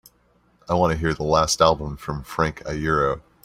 I want to hear the last album from Frank Iero